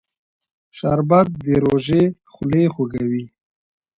شربت د روژې خولې خوږوي